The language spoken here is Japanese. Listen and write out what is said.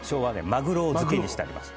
マグロを漬けにしてあります。